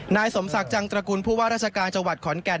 นายสมศักดิ์จังตระกุลผู้ว่าราชการจังหวัดขอนแก่น